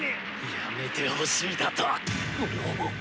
やめてほしいだと！